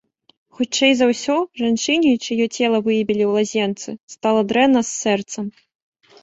Хутчэй за ўсё, жанчыне, чыё цела выявілі ў лазенцы, стала дрэнна з сэрцам.